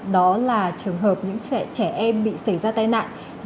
đó là trường hợp những trẻ em bị xảy ra tai nạn